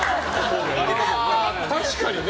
確かにね。